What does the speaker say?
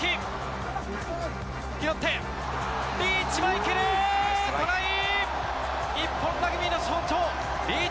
リーチ・マイケル、トライ！